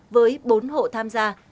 với bốn hộ tham gia